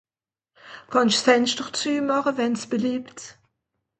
Kann'sch s'Fenschter züemache wann's beliebt?